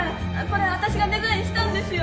これ私がデザインしたんですよ！